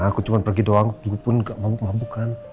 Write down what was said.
aku cuma pergi doang cukup pun gak mabuk mabuk kan